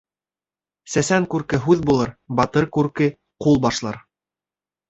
Сәсән күрке һүҙ булыр, батыр күрке ҡул башлар.